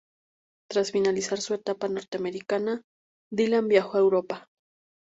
Tras finalizar su etapa norteamericana, Dylan viajó a Europa.